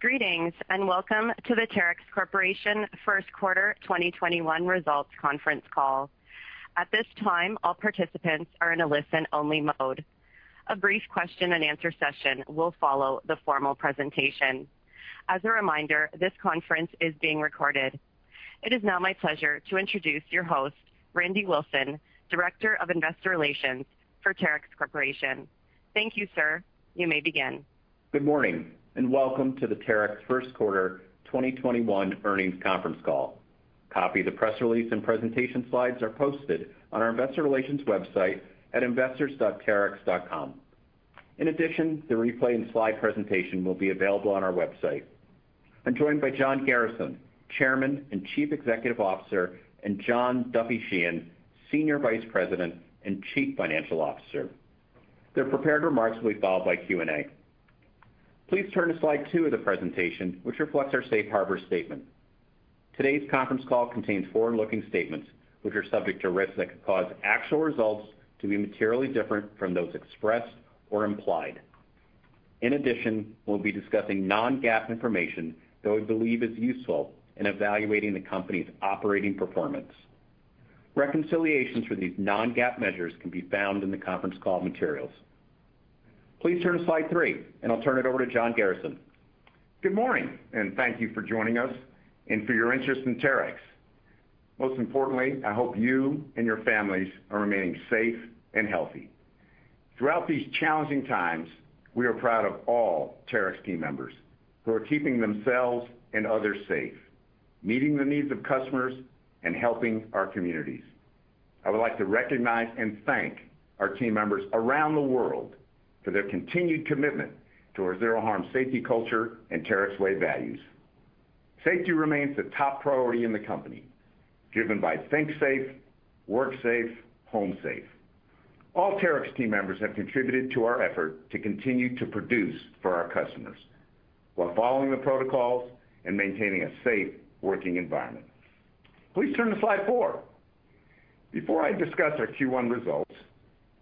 Greetings, and welcome to the Terex Corporation First Quarter 2021 Results Conference Call. At this time, all participants are in a listen-only mode. A brief question and answer session will follow the formal presentation. As a reminder, this conference is being recorded. It is now my pleasure to introduce your host, Randy Wilson, Director of Investor Relations for Terex Corporation. Thank you, sir. You may begin. Good morning, and welcome to the Terex First Quarter 2021 Earnings Conference Call. Copy of the press release and presentation slides are posted on our investor relations website at investors.terex.com. In addition, the replay and slide presentation will be available on our website. I'm joined by John Garrison, Chairman and Chief Executive Officer, and John Duffy Sheehan, Senior Vice President and Chief Financial Officer. Their prepared remarks will be followed by Q&A. Please turn to slide two of the presentation, which reflects our safe harbor statement. Today's conference call contains forward-looking statements, which are subject to risks that could cause actual results to be materially different from those expressed or implied. In addition, we'll be discussing non-GAAP information that we believe is useful in evaluating the company's operating performance. Reconciliations for these non-GAAP measures can be found in the conference call materials. Please turn to slide three, and I'll turn it over to John Garrison. Good morning, and thank you for joining us and for your interest in Terex. Most importantly, I hope you and your families are remaining safe and healthy. Throughout these challenging times, we are proud of all Terex team members who are keeping themselves and others safe, meeting the needs of customers, and helping our communities. I would like to recognize and thank our team members around the world for their continued commitment to our Zero Harm safety culture and Terex Way values. Safety remains the top priority in the company, driven by Think Safe, Work Safe, Home Safe. All Terex team members have contributed to our effort to continue to produce for our customers while following the protocols and maintaining a safe working environment. Please turn to slide four. Before I discuss our Q1 results,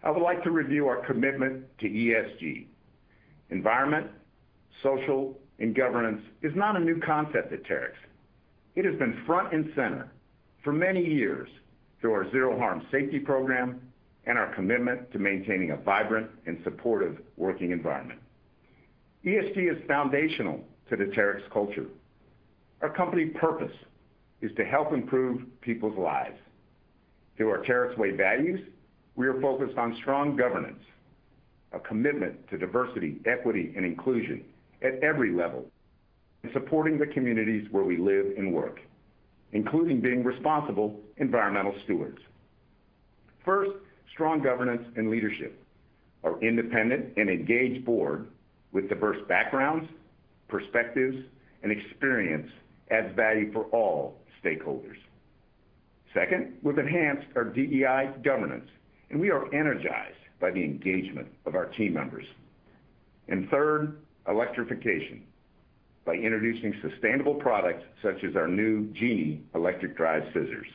I would like to review our commitment to ESG. Environment, social, and governance is not a new concept at Terex. It has been front and center for many years through our Zero Harm safety program and our commitment to maintaining a vibrant and supportive working environment. ESG is foundational to the Terex culture. Our company purpose is to help improve people's lives. Through our Terex Way values, we are focused on strong governance, a commitment to diversity, equity, and inclusion at every level, and supporting the communities where we live and work, including being responsible environmental stewards. First, strong governance and leadership. Our independent and engaged board with diverse backgrounds, perspectives, and experience adds value for all stakeholders. Second, we've enhanced our DEI governance, and we are energized by the engagement of our team members. Third, electrification by introducing sustainable products such as our new Genie E-Drive Scissor Lifts.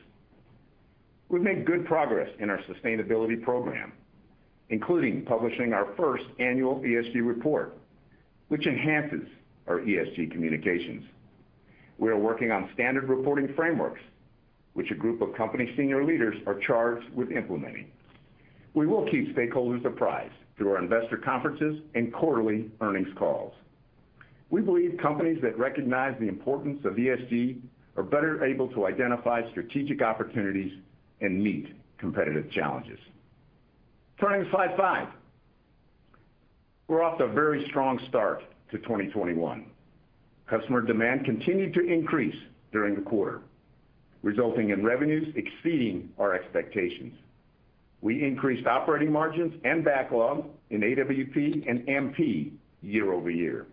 We've made good progress in our sustainability program, including publishing our first annual ESG report, which enhances our ESG communications. We are working on standard reporting frameworks, which a group of company senior leaders are charged with implementing. We will keep stakeholders apprised through our investor conferences and quarterly earnings calls. We believe companies that recognize the importance of ESG are better able to identify strategic opportunities and meet competitive challenges. Turning to slide five. We're off to a very strong start to 2021. Customer demand continued to increase during the quarter, resulting in revenues exceeding our expectations. We increased operating margins and backlog in AWP and MP year-over-year.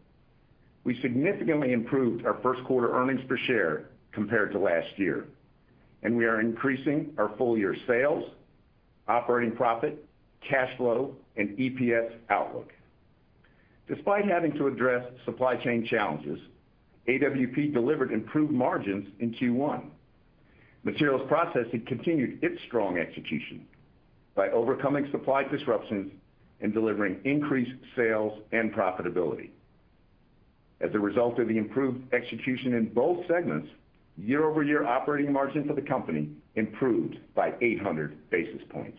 We significantly improved our first quarter earnings per share compared to last year. We are increasing our full-year sales, operating profit, cash flow, and EPS outlook. Despite having to address supply chain challenges, AWP delivered improved margins in Q1. Materials Processing continued its strong execution by overcoming supply disruptions and delivering increased sales and profitability. As a result of the improved execution in both segments, year-over-year operating margins of the company improved by 800 basis points.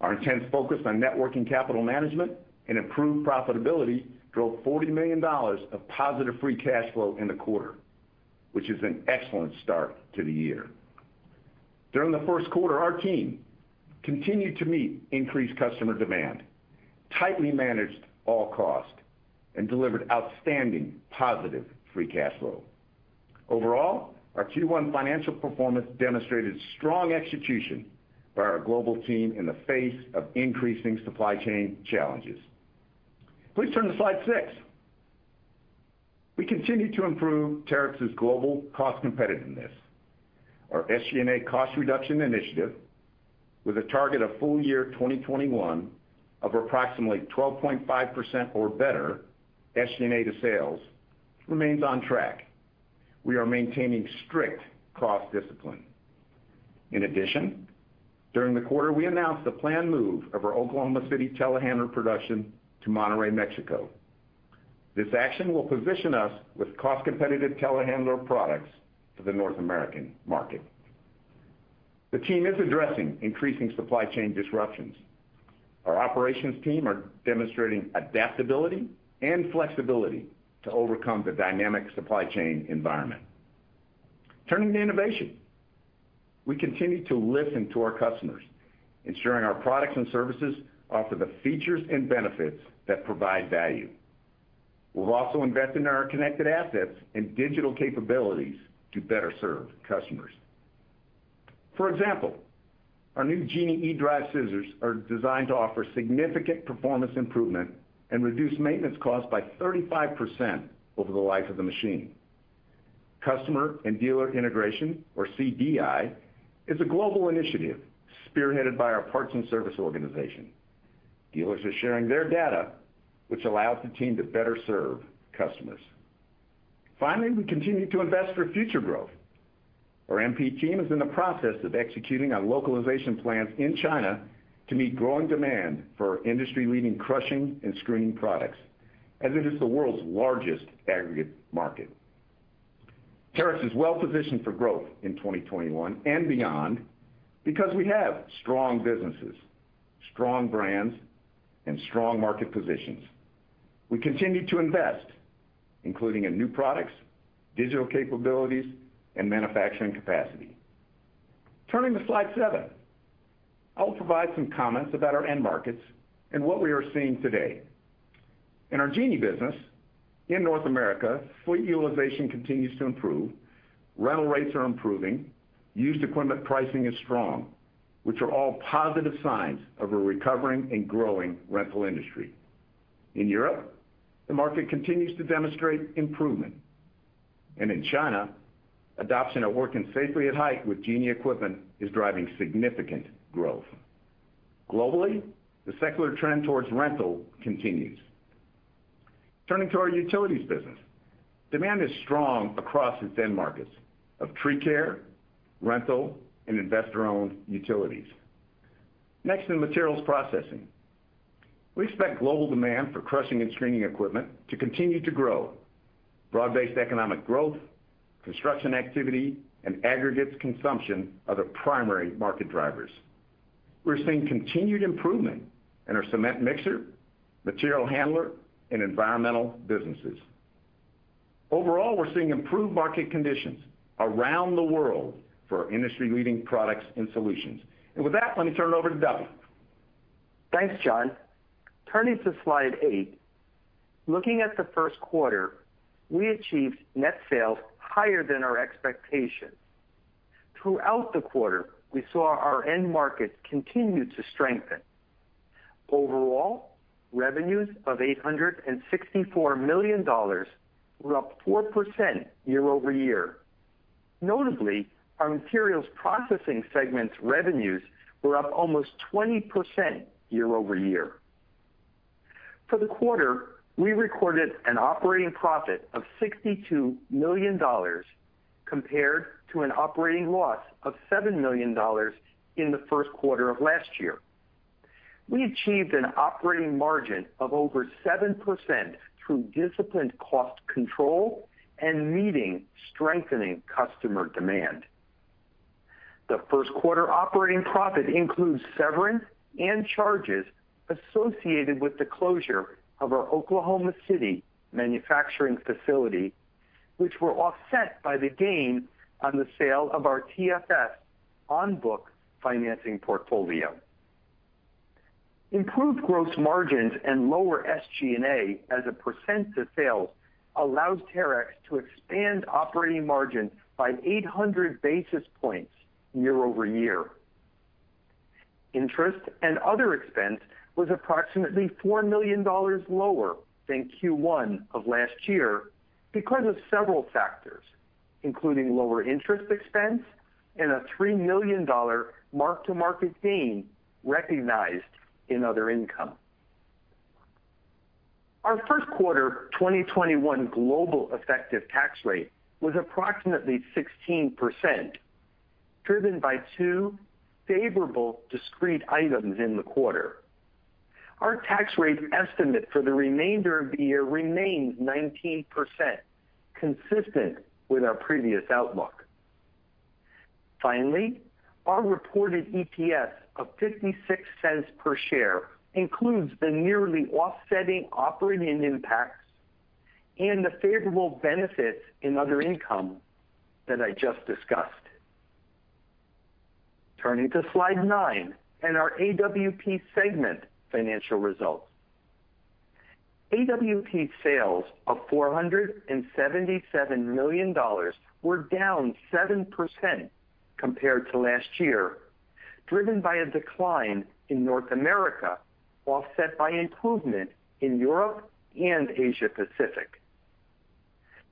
Our intense focus on net working capital management and improved profitability drove $40 million of positive free cash flow in the quarter, which is an excellent start to the year. During the first quarter, our team continued to meet increased customer demand, tightly managed all costs, and delivered outstanding positive free cash flow. Overall, our Q1 financial performance demonstrated strong execution by our global team in the face of increasing supply chain challenges. Please turn to slide six. We continue to improve Terex's global cost competitiveness. Our SG&A cost reduction initiative, with a target of full year 2021 of approximately 12.5% or better SG&A to sales, remains on track. We are maintaining strict cost discipline. In addition, during the quarter, we announced the planned move of our Oklahoma City telehandler production to Monterrey, Mexico. This action will position us with cost-competitive telehandler products for the North American market. The team is addressing increasing supply chain disruptions. Our operations team are demonstrating adaptability and flexibility to overcome the dynamic supply chain environment. Turning to innovation. We continue to listen to our customers, ensuring our products and services offer the features and benefits that provide value. We've also invested in our connected assets and digital capabilities to better serve customers. For example, our new Genie E-Drive Scissors are designed to offer significant performance improvement and reduce maintenance costs by 35% over the life of the machine. Customer and Dealer Integration, or CDI, is a global initiative spearheaded by our parts and service organization. Dealers are sharing their data, which allows the team to better serve customers. We continue to invest for future growth. Our MP team is in the process of executing on localization plans in China to meet growing demand for industry-leading crushing and screening products, as it is the world's largest aggregate market. Terex is well-positioned for growth in 2021 and beyond because we have strong businesses, strong brands, and strong market positions. We continue to invest, including in new products, digital capabilities, and manufacturing capacity. Turning to slide seven. I'll provide some comments about our end markets and what we are seeing today. In our Genie business, in North America, fleet utilization continues to improve, rental rates are improving, used equipment pricing is strong, which are all positive signs of a recovering and growing rental industry. In Europe, the market continues to demonstrate improvement. In China, adoption of working safely at height with Genie equipment is driving significant growth. Globally, the secular trend towards rental continues. Turning to our Utilities business. Demand is strong across its end markets of tree care, rental, and investor-owned utilities. Next, in Materials Processing. We expect global demand for crushing and screening equipment to continue to grow. Broad-based economic growth, construction activity, and aggregates consumption are the primary market drivers. We're seeing continued improvement in our cement mixer, material handler, and environmental businesses. Overall, we're seeing improved market conditions around the world for our industry-leading products and solutions. With that, let me turn it over to Duffy. Thanks, John. Turning to slide eight. Looking at the first quarter, we achieved net sales higher than our expectations. Throughout the quarter, we saw our end markets continue to strengthen. Overall, revenues of $864 million were up 4% year-over-year. Notably, our Materials Processing segment's revenues were up almost 20% year-over-year. For the quarter, we recorded an operating profit of $62 million compared to an operating loss of $7 million in the first quarter of last year. We achieved an operating margin of over 7% through disciplined cost control and meeting strengthening customer demand. The first quarter operating profit includes severance and charges associated with the closure of our Oklahoma City manufacturing facility, which were offset by the gain on the sale of our TFS on-book financing portfolio. Improved gross margins and lower SG&A as a percent of sales allowed Terex to expand operating margin by 800 basis points year-over-year. Interest and other expense was approximately $4 million lower than Q1 of last year because of several factors, including lower interest expense and a $3 million mark-to-market gain recognized in other income. Our first quarter 2021 global effective tax rate was approximately 16%, driven by two favorable discrete items in the quarter. Our tax rate estimate for the remainder of the year remains 19%, consistent with our previous outlook. Finally, our reported EPS of $0.56 per share includes the nearly offsetting operating impacts and the favorable benefits in other income that I just discussed. Turning to slide nine and our AWP segment financial results. AWP sales of $477 million were down 7% compared to last year, driven by a decline in North America, offset by improvement in Europe and Asia Pacific.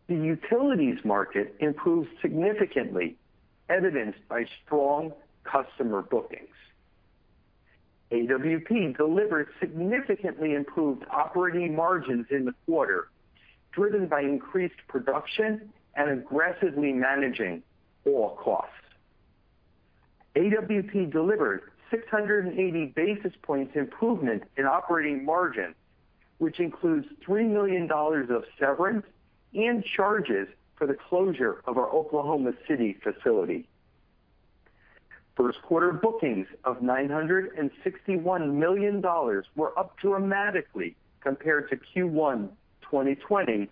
The utilities market improved significantly, evidenced by strong customer bookings. AWP delivered significantly improved operating margins in the quarter, driven by increased production and aggressively managing all costs. AWP delivered 680 basis points improvement in operating margin, which includes $3 million of severance and charges for the closure of our Oklahoma City facility. First quarter bookings of $961 million were up dramatically compared to Q1 2020,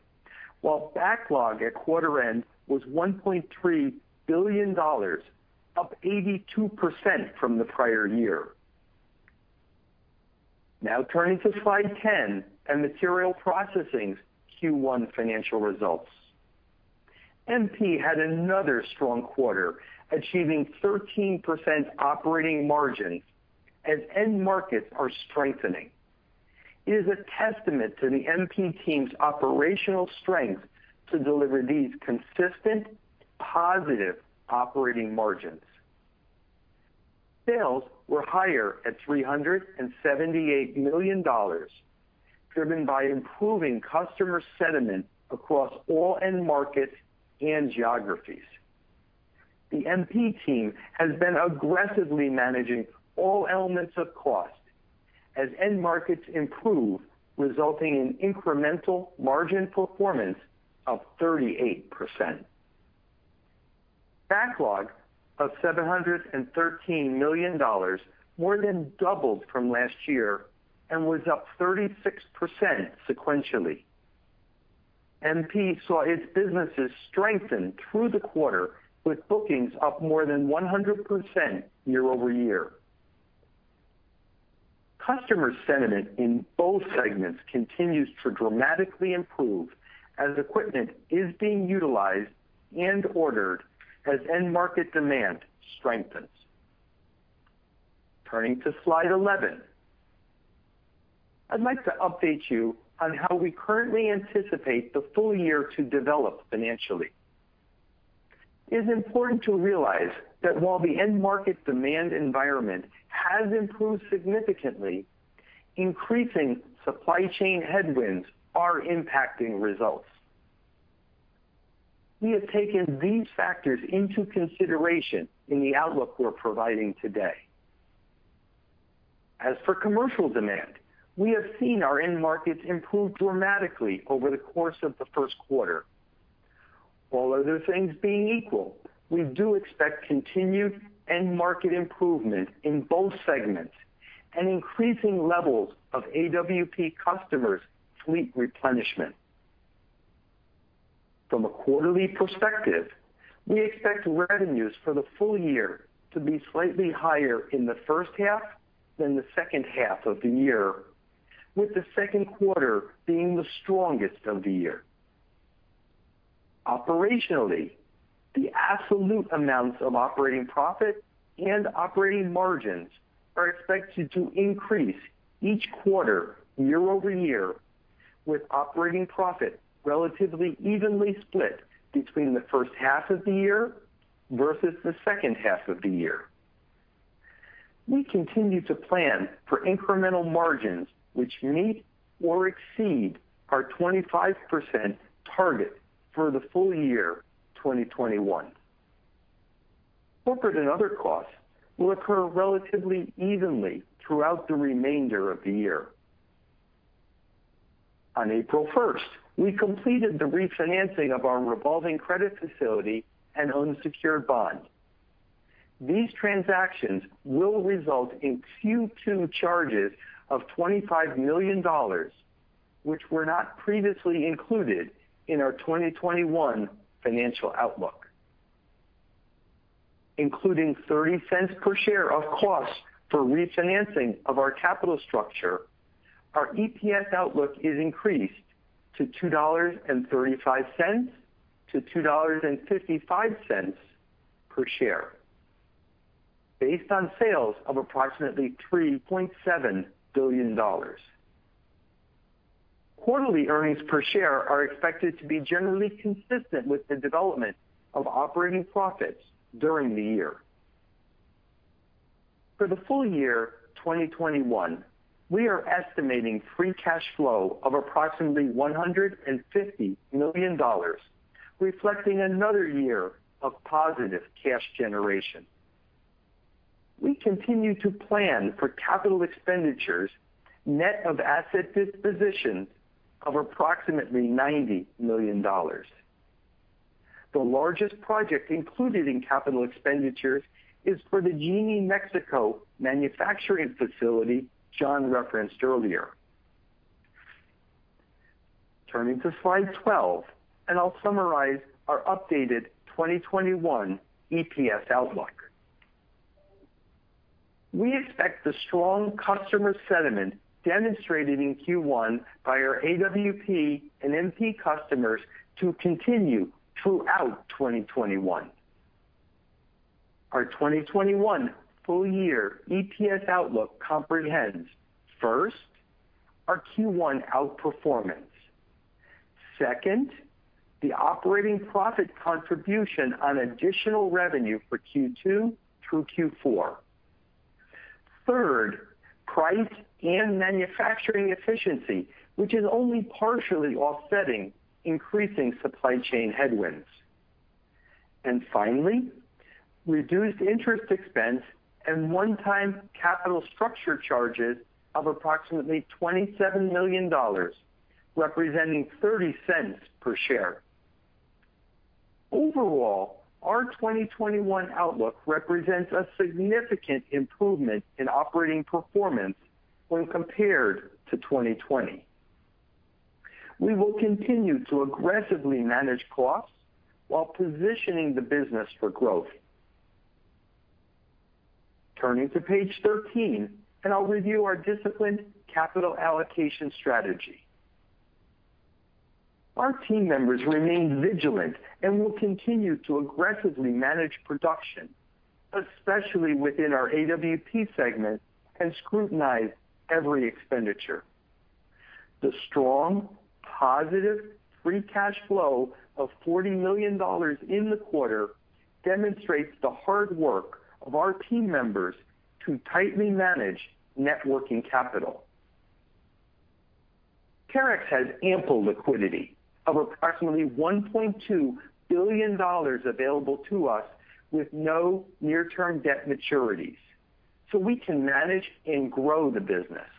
while backlog at quarter end was $1.3 billion, up 82% from the prior year. Turning to slide 10 and Material Processing's Q1 financial results. MP had another strong quarter, achieving 13% operating margin as end markets are strengthening. It is a testament to the MP team's operational strength to deliver these consistent, positive operating margins. Sales were higher at $378 million, driven by improving customer sentiment across all end markets and geographies. The MP team has been aggressively managing all elements of cost as end markets improve, resulting in incremental margin performance of 38%. Backlog of $713 million more than doubled from last year and was up 36% sequentially. MP saw its businesses strengthen through the quarter with bookings up more than 100% year-over-year. Customer sentiment in both segments continues to dramatically improve as equipment is being utilized and ordered as end market demand strengthens. Turning to slide 11. I'd like to update you on how we currently anticipate the full year to develop financially. It is important to realize that while the end market demand environment has improved significantly, increasing supply chain headwinds are impacting results. We have taken these factors into consideration in the outlook we're providing today. As for commercial demand, we have seen our end markets improve dramatically over the course of the first quarter. All other things being equal, we do expect continued end market improvement in both segments and increasing levels of AWP customers' fleet replenishment. From a quarterly perspective, we expect revenues for the full year to be slightly higher in the first half than the second half of the year, with the second quarter being the strongest of the year. Operationally, the absolute amounts of operating profit and operating margins are expected to increase each quarter year-over-year, with operating profit relatively evenly split between the first half of the year versus the second half of the year. We continue to plan for incremental margins which meet or exceed our 25% target for the full year 2021. Corporate and other costs will occur relatively evenly throughout the remainder of the year. On April 1st, we completed the refinancing of our revolving credit facility and unsecured bond. These transactions will result in Q2 charges of $25 million, which were not previously included in our 2021 financial outlook. Including $0.30 per share of costs for refinancing of our capital structure, our EPS outlook is increased to $2.35-$2.55 per share, based on sales of approximately $3.7 billion. Quarterly earnings per share are expected to be generally consistent with the development of operating profits during the year. For the full year 2021, we are estimating free cash flow of approximately $150 million, reflecting another year of positive cash generation. We continue to plan for capital expenditures net of asset dispositions of approximately $90 million. The largest project included in capital expenditures is for the Genie Mexico manufacturing facility John referenced earlier. Turning to slide 12, I'll summarize our updated 2021 EPS outlook. We expect the strong customer sentiment demonstrated in Q1 by our AWP and MP customers to continue throughout 2021. Our 2021 full year EPS outlook comprehends, first, our Q1 outperformance. Second, the operating profit contribution on additional revenue for Q2 through Q4. Third, price and manufacturing efficiency, which is only partially offsetting increasing supply chain headwinds. Finally, reduced interest expense and one-time capital structure charges of approximately $27 million, representing $0.30 per share. Overall, our 2021 outlook represents a significant improvement in operating performance when compared to 2020. We will continue to aggressively manage costs while positioning the business for growth. Turning to page 13, I'll review our disciplined capital allocation strategy. Our team members remain vigilant and will continue to aggressively manage production, especially within our AWP segment, and scrutinize every expenditure. The strong, positive free cash flow of $40 million in the quarter demonstrates the hard work of our team members to tightly manage net working capital. Terex has ample liquidity of approximately $1.2 billion available to us with no near-term debt maturities, so we can manage and grow the business.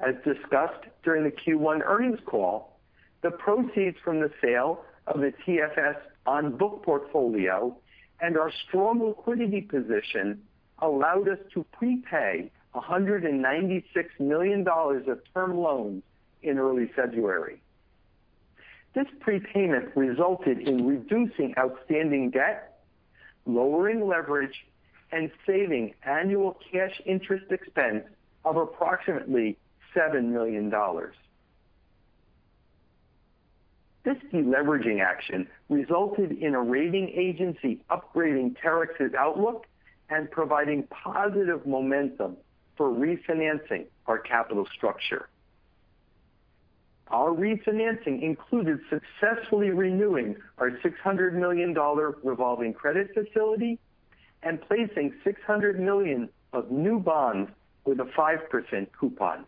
As discussed during the Q1 earnings call, the proceeds from the sale of the TFS on-book portfolio and our strong liquidity position allowed us to prepay $196 million of term loans in early February. This prepayment resulted in reducing outstanding debt, lowering leverage, and saving annual cash interest expense of approximately $7 million. This de-leveraging action resulted in a rating agency upgrading Terex's outlook and providing positive momentum for refinancing our capital structure. Our refinancing included successfully renewing our $600 million revolving credit facility and placing $600 million of new bonds with a 5% coupon.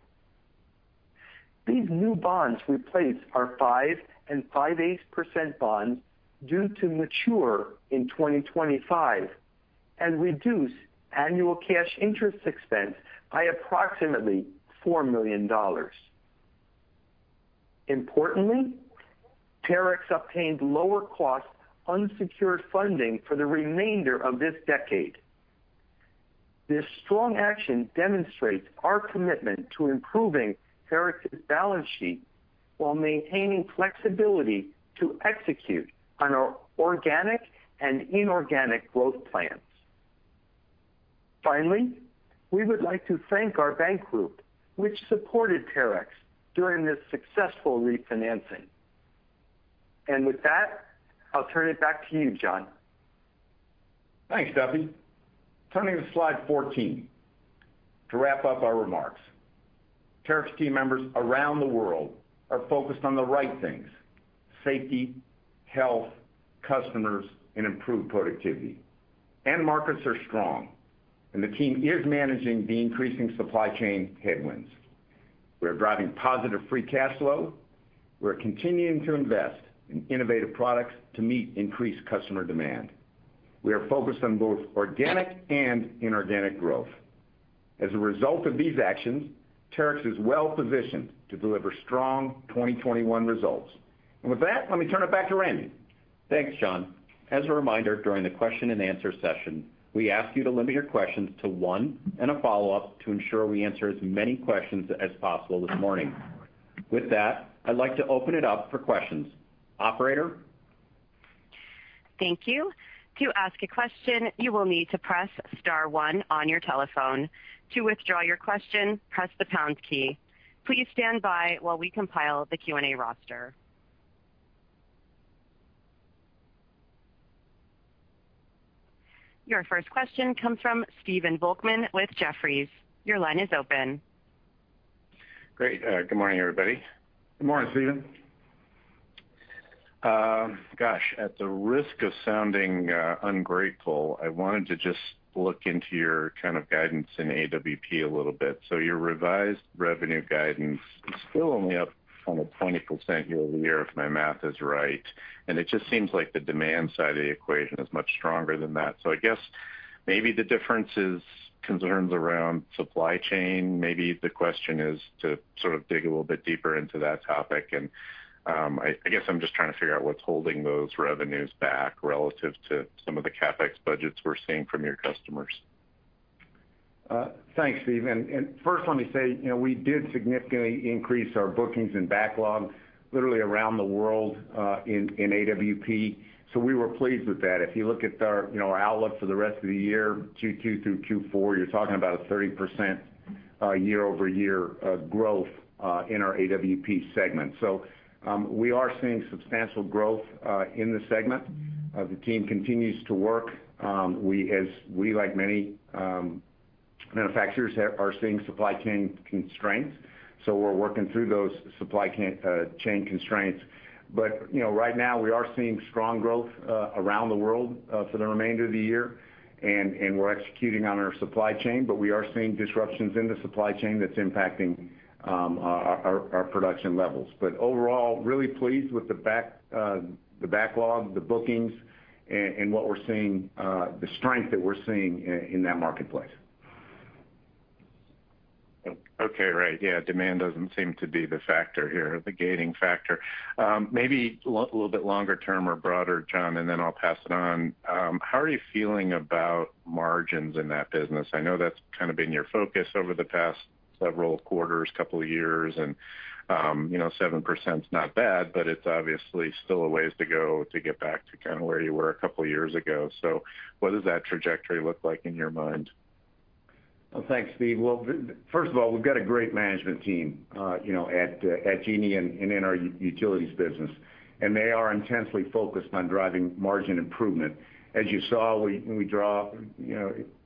These new bonds replaced our 5.625% bonds due to mature in 2025 and reduce annual cash interest expense by approximately $4 million. Importantly, Terex obtained lower cost unsecured funding for the remainder of this decade. This strong action demonstrates our commitment to improving Terex's balance sheet while maintaining flexibility to execute on our organic and inorganic growth plans. Finally, we would like to thank our bank group, which supported Terex during this successful refinancing. With that, I'll turn it back to you, John. Thanks, Duffy. Turning to slide 14 to wrap up our remarks. Terex team members around the world are focused on the right things: safety, health, customers, and improved productivity. End markets are strong, and the team is managing the increasing supply chain headwinds. We are driving positive free cash flow. We're continuing to invest in innovative products to meet increased customer demand. We are focused on both organic and inorganic growth. As a result of these actions, Terex is well-positioned to deliver strong 2021 results. With that, let me turn it back to Randy. Thanks, John. As a reminder, during the question-and answer-session, we ask you to limit your questions to one and a follow-up to ensure we answer as many questions as possible this morning. With that, I'd like to open it up for questions. Operator? Thank you. To ask a question, you will need to press star one on your telephone. To withdraw your question, press the pound key. Your first question comes from Stephen Volkmann with Jefferies. Your line is open. Great. Good morning, everybody. Good morning, Stephen. Gosh, at the risk of sounding ungrateful, I wanted to just look into your kind of guidance in AWP a little bit. Your revised revenue guidance is still only up on a 20% year-over-year if my math is right, and it just seems like the demand side of the equation is much stronger than that. I guess maybe the difference is concerns around supply chain. Maybe the question is to sort of dig a little bit deeper into that topic. I guess I'm just trying to figure out what's holding those revenues back relative to some of the CapEx budgets we're seeing from your customers. Thanks, Stephen. First let me say, we did significantly increase our bookings and backlog literally around the world in AWP. We were pleased with that. If you look at our outlook for the rest of the year, Q2 through Q4, you're talking about a 30% year-over-year growth in our AWP segment. We are seeing substantial growth in the segment. The team continues to work. We, like many manufacturers are seeing supply chain constraints. We're working through those supply chain constraints. Right now, we are seeing strong growth around the world for the remainder of the year, and we're executing on our supply chain. We are seeing disruptions in the supply chain that's impacting our production levels. Overall, really pleased with the backlog, the bookings, and the strength that we're seeing in that marketplace. Okay, right. Yeah, demand doesn't seem to be the gating factor here. Maybe a little bit longer term or broader, John, then I'll pass it on. How are you feeling about margins in that business? I know that's kind of been your focus over the past several quarters, couple of years, 7% is not bad, it's obviously still a ways to go to get back to kind of where you were a couple of years ago. What does that trajectory look like in your mind? Thanks, Stephen. First of all, we've got a great management team at Genie and in our Terex Utilities business, they are intensely focused on driving margin improvement. As you saw,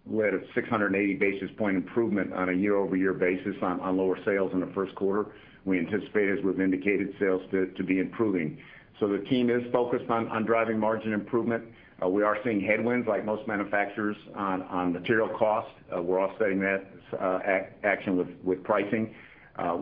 we had a 680 basis points improvement on a year-over-year basis on lower sales in the first quarter. We anticipate, as we've indicated, sales to be improving. The team is focused on driving margin improvement. We are seeing headwinds, like most manufacturers, on material cost. We're offsetting that action with pricing.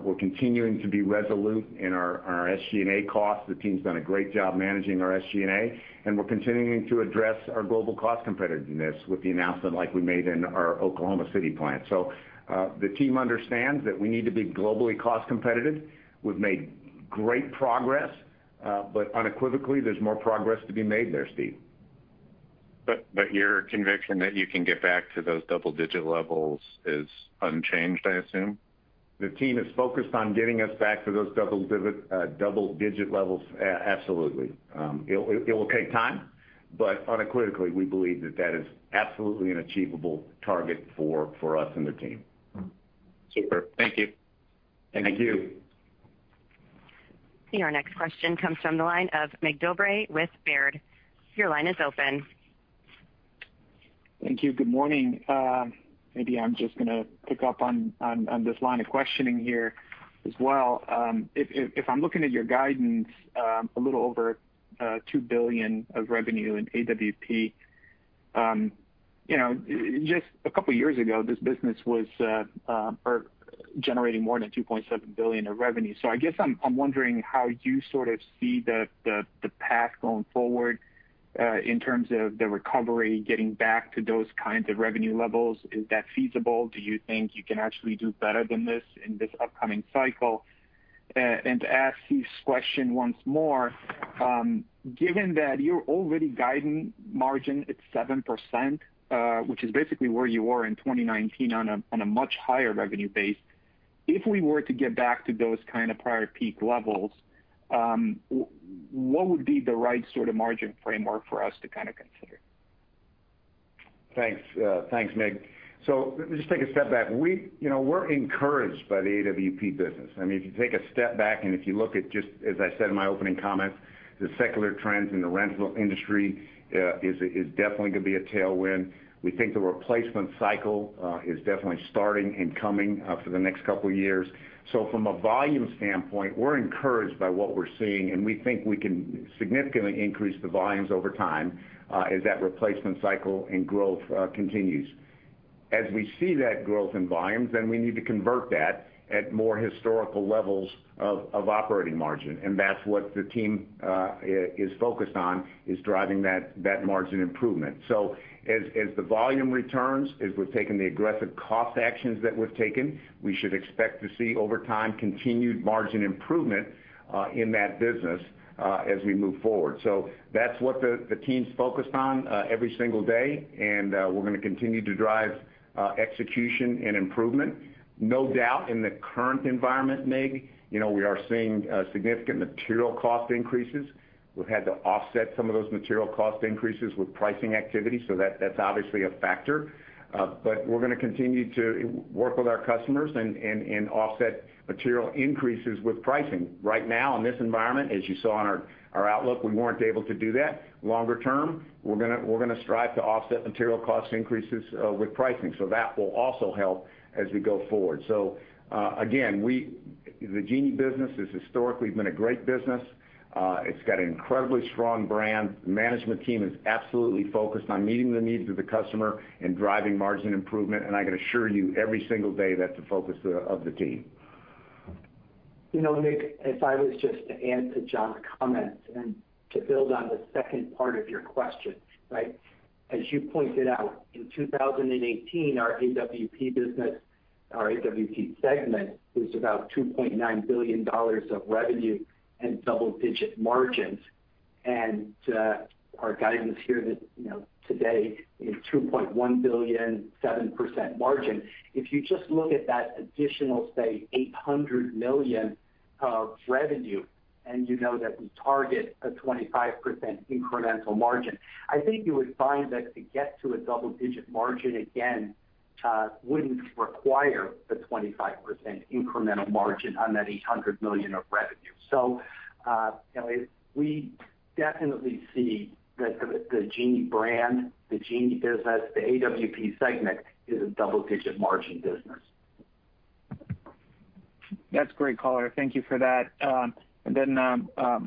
We're continuing to be resolute in our SG&A cost. The team's done a great job managing our SG&A, we're continuing to address our global cost competitiveness with the announcement like we made in our Oklahoma City plant. The team understands that we need to be globally cost competitive. We've made great progress, unequivocally, there's more progress to be made there, Steve. Your conviction that you can get back to those double-digit levels is unchanged, I assume? The team is focused on getting us back to those double-digit levels absolutely. It will take time, unequivocally, we believe that that is absolutely an achievable target for us and the team. Super. Thank you. Thank you. Our next question comes from the line of Mig Dobre with Baird. Your line is open. Thank you. Good morning. Maybe I'm just going to pick up on this line of questioning here as well. If I'm looking at your guidance, a little over $2 billion of revenue in AWP. Just a couple of years ago, this business was generating more than $2.7 billion of revenue. I guess I'm wondering how you sort of see the path going forward, in terms of the recovery, getting back to those kinds of revenue levels. Is that feasible? Do you think you can actually do better than this in this upcoming cycle? To ask Steve's question once more, given that you're already guiding margin at 7%, which is basically where you were in 2019 on a much higher revenue base, if we were to get back to those kind of prior peak levels, what would be the right sort of margin framework for us to kind of consider? Thanks, Mig. Let me just take a step back. We're encouraged by the AWP business. If you take a step back, and if you look at just, as I said in my opening comments, the secular trends in the rental industry is definitely going to be a tailwind. We think the replacement cycle is definitely starting and coming for the next couple of years. From a volume standpoint, we're encouraged by what we're seeing, and we think we can significantly increase the volumes over time as that replacement cycle and growth continues. As we see that growth in volumes, we need to convert that at more historical levels of operating margin, and that's what the team is focused on, is driving that margin improvement. As the volume returns, as we're taking the aggressive cost actions that we've taken, we should expect to see, over time, continued margin improvement in that business as we move forward. That's what the team's focused on every single day, and we're going to continue to drive execution and improvement. No doubt in the current environment, Mig, we are seeing significant material cost increases. We've had to offset some of those material cost increases with pricing activity, so that's obviously a factor. We're going to continue to work with our customers and offset material increases with pricing. Right now, in this environment, as you saw on our outlook, we weren't able to do that. Longer term, we're going to strive to offset material cost increases with pricing. That will also help as we go forward. Again, the Genie business has historically been a great business. It's got an incredibly strong brand. The management team is absolutely focused on meeting the needs of the customer and driving margin improvement. I can assure you every single day that's the focus of the team. Mig, if I was just to add to John's comments and to build on the second part of your question. As you pointed out, in 2018, our AWP segment was about $2.9 billion of revenue and double-digit margins. Our guidance here today is $2.1 billion, 7% margin. If you just look at that additional, say, $800 million of revenue, and you know that we target a 25% incremental margin, I think you would find that to get to a double-digit margin again wouldn't require the 25% incremental margin on that $800 million of revenue. We definitely see that the Genie brand, the Genie business, the AWP segment is a double-digit margin business. That's great, color. Thank you for that.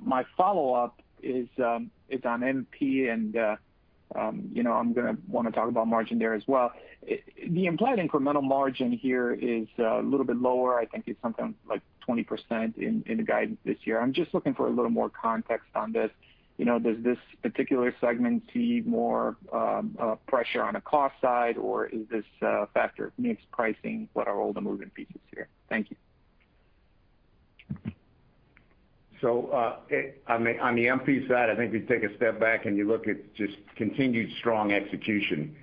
My follow-up is on MP, and I'm going to want to talk about margin there as well. The implied incremental margin here is a little bit lower. I think it's something like 20% in the guidance this year. I'm just looking for a little more context on this. Does this particular segment see more pressure on the cost side, or is this a factor of mix pricing? What are all the moving pieces here? Thank you. On the MP side, I think if you take a step back and you look at just continued strong execution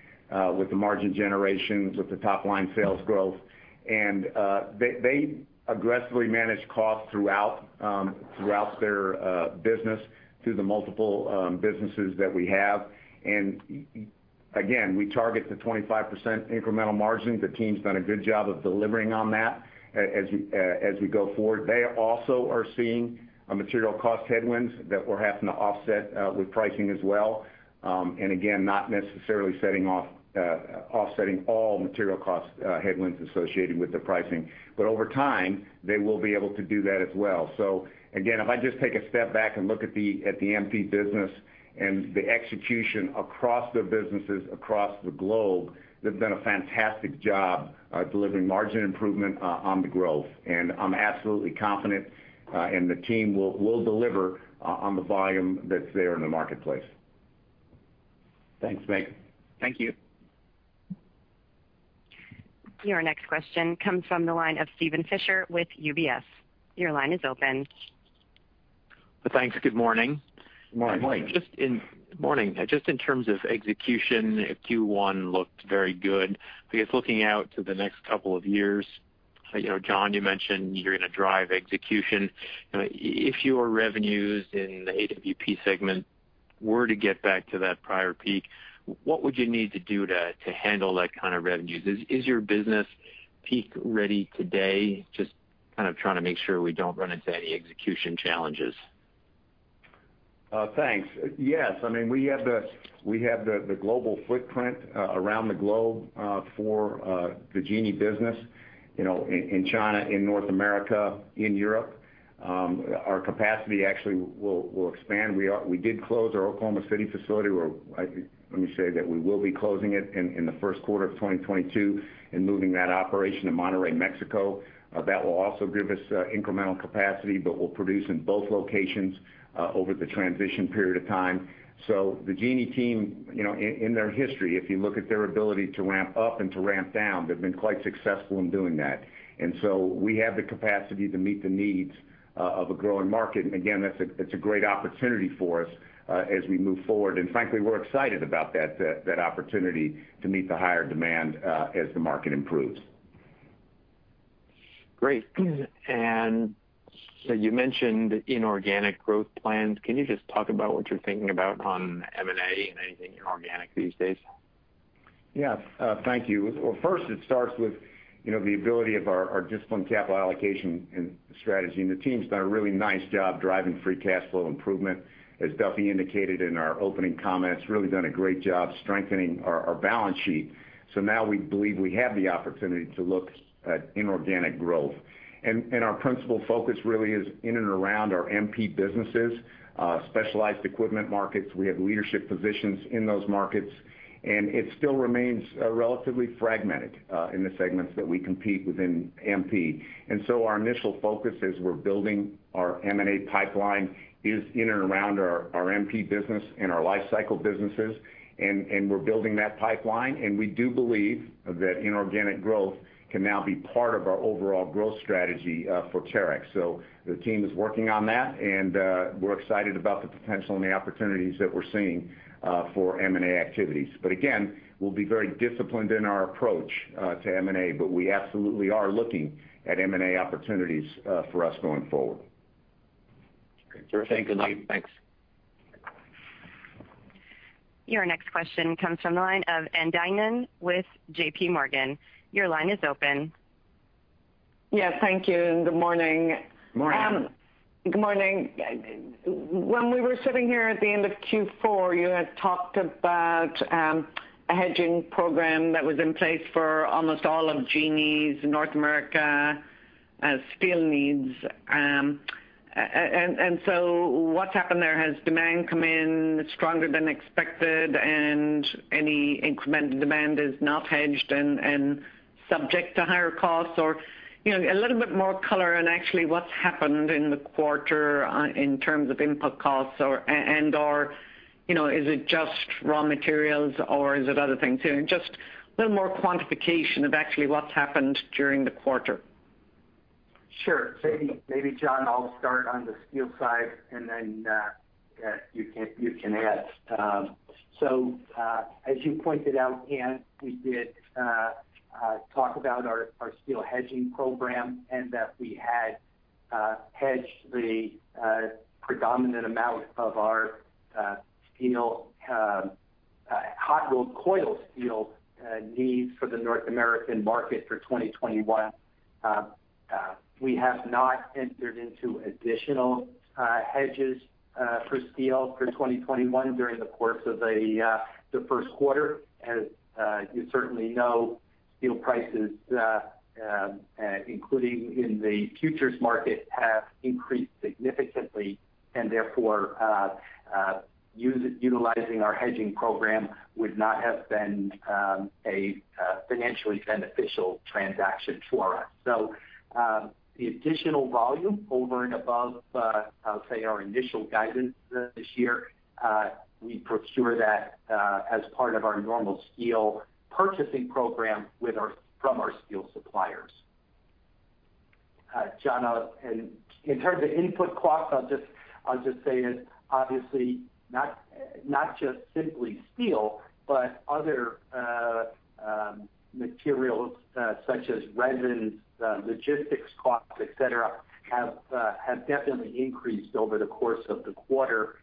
with the margin generations, with the top-line sales growth. They aggressively manage costs throughout their business through the multiple businesses that we have. We target the 25% incremental margin. The team's done a good job of delivering on that as we go forward. They also are seeing material cost headwinds that we're having to offset with pricing as well. Not necessarily offsetting all material cost headwinds associated with the pricing. Over time, they will be able to do that as well. If I just take a step back and look at the MP business and the execution across the businesses across the globe, they've done a fantastic job delivering margin improvement on the growth. I'm absolutely confident in the team will deliver on the volume that's there in the marketplace. Thanks, Mig. Thank you. Your next question comes from the line of Steven Fisher with UBS. Your line is open. Thanks. Good morning. Good morning. Morning. In terms of execution, Q1 looked very good. I guess looking out to the next couple of years, John, you mentioned you're going to drive execution. If your revenues in the AWP segment were to get back to that prior peak, what would you need to do to handle that kind of revenues? Is your business peak-ready today? Kind of trying to make sure we don't run into any execution challenges. Thanks. Yes. We have the global footprint around the globe for the Genie business, in China, in North America, in Europe. Our capacity actually will expand. We did close our Oklahoma City facility. Let me say that we will be closing it in the first quarter of 2022 and moving that operation to Monterrey, Mexico. That will also give us incremental capacity, but we'll produce in both locations over the transition period of time. The Genie team, in their history, if you look at their ability to ramp up and to ramp down, they've been quite successful in doing that. We have the capacity to meet the needs of a growing market. Again, it's a great opportunity for us as we move forward. Frankly, we're excited about that opportunity to meet the higher demand as the market improves. Great. You mentioned inorganic growth plans. Can you just talk about what you're thinking about on M&A and anything inorganic these days? Yeah. Thank you. Well, first it starts with the ability of our disciplined capital allocation and strategy. The team's done a really nice job driving free cash flow improvement. As Duffy indicated in our opening comments, really done a great job strengthening our balance sheet. Now we believe we have the opportunity to look at inorganic growth. Our principal focus really is in and around our MP businesses, specialized equipment markets. We have leadership positions in those markets, and it still remains relatively fragmented in the segments that we compete within MP. Our initial focus as we're building our M&A pipeline is in and around our MP business and our lifecycle businesses, and we're building that pipeline. We do believe that inorganic growth can now be part of our overall growth strategy for Terex. The team is working on that, and we're excited about the potential and the opportunities that we're seeing for M&A activities. Again, we'll be very disciplined in our approach to M&A, but we absolutely are looking at M&A opportunities for us going forward. Great. Thanks a lot. Thanks. Your next question comes from the line of Ann Duignan with JPMorgan. Your line is open. Yeah. Thank you, and good morning. Morning. When we were sitting here at the end of Q4, you had talked about a hedging program that was in place for almost all of Genie's North America steel needs. What's happened there? Has demand come in stronger than expected, and any incremental demand is not hedged and subject to higher costs? A little bit more color on actually what's happened in the quarter in terms of input costs and/or is it just raw materials, or is it other things here? Just a little more quantification of actually what's happened during the quarter. Sure. Maybe, John, I'll start on the steel side. Then you can add. As you pointed out, Ann, we did talk about our steel hedging program and that we had hedged the predominant amount of our hot-rolled coil steel needs for the North American market for 2021. We have not entered into additional hedges for steel for 2021 during the course of the first quarter. As you certainly know, steel prices, including in the futures market, have increased significantly. Therefore, utilizing our hedging program would not have been a financially beneficial transaction for us. The additional volume over and above, I'll say, our initial guidance this year, we procure that as part of our normal steel purchasing program from our steel suppliers. John, in terms of input costs, I'll just say it obviously not just simply steel, but other materials such as resins, logistics costs, et cetera, have definitely increased over the course of the quarter.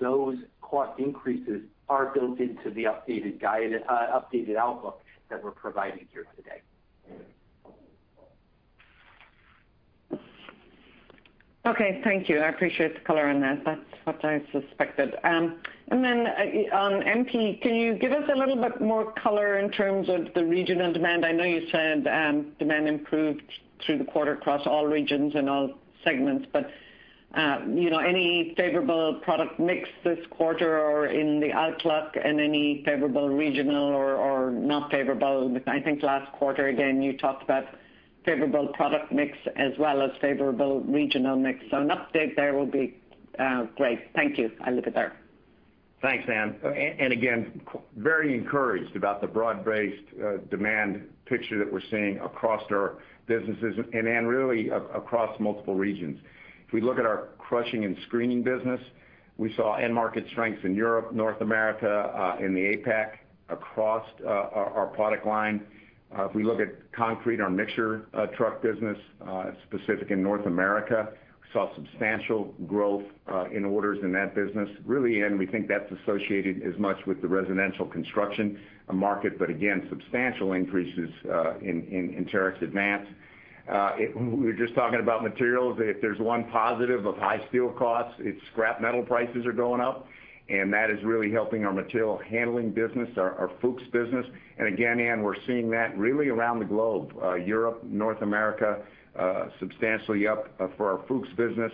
Those cost increases are built into the updated outlook that we're providing here today. Okay. Thank you. I appreciate the color on that. That's what I suspected. On MP, can you give us a little bit more color in terms of the regional demand? I know you said demand improved through the quarter across all regions and all segments. Any favorable product mix this quarter or in the outlook and any favorable regional or not favorable? I think last quarter, again, you talked about favorable product mix as well as favorable regional mix, so an update there will be great. Thank you. I'll leave it there. Thanks, Ann. Again, very encouraged about the broad-based demand picture that we're seeing across our businesses and Ann, really, across multiple regions. If we look at our crushing and screening business, we saw end market strengths in Europe, North America, in the APAC, across our product line. If we look at concrete, our mixer truck business, specific in North America, we saw substantial growth in orders in that business. Really, Ann, we think that's associated as much with the residential construction market, but again, substantial increases in Terex Advance. We were just talking about materials. If there's one positive of high steel costs, it's scrap metal prices are going up, and that is really helping our material handling business, our Fuchs business. Again, Ann, we're seeing that really around the globe. Europe, North America, substantially up for our Fuchs business.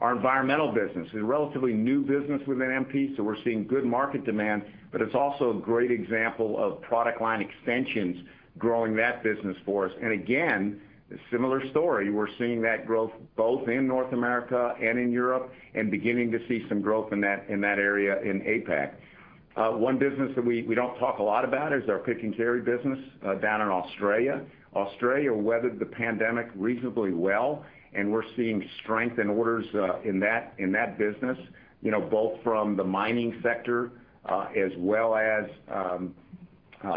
Our environmental business is a relatively new business within MP, so we're seeing good market demand, but it's also a great example of product line extensions growing that business for us. Again, a similar story. We're seeing that growth both in North America and in Europe, and beginning to see some growth in that area in APAC. One business that we don't talk a lot about is our Pick and Carry business down in Australia. Australia weathered the pandemic reasonably well, and we're seeing strength in orders in that business both from the mining sector as well as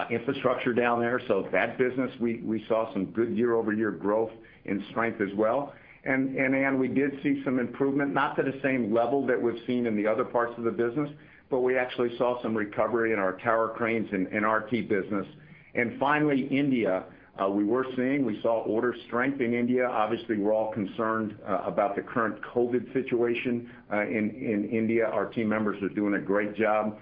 infrastructure down there. That business we saw some good year-over-year growth in strength as well. Ann, we did see some improvement, not to the same level that we've seen in the other parts of the business, but we actually saw some recovery in our tower cranes and in RT business. Finally, India. We saw order strength in India. Obviously, we're all concerned about the current COVID-19 situation in India. Our team members are doing a great job